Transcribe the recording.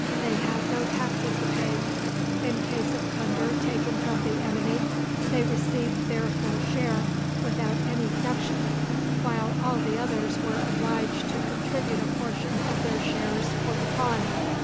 They had no taxes to pay. In case of plunder taken from the enemy, they received their full share without any deduction, while all the others were obliged to contribute a portion of their shares for the khan.